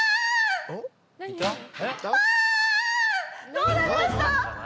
どうなりました？